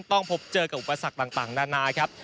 ต้องพบเจอกับอุปสรรคต่างนานาครับ